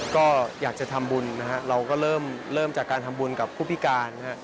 ก็อยากจะทำบุญนะฮะเราก็เริ่มจากการทำบุญกับผู้พิการนะฮะ